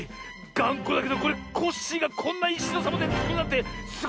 がんこだけどこれコッシーがこんないしのサボテンつくるなんてすごい。